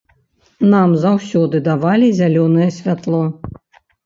Нам заўсёды давалі зялёнае святло.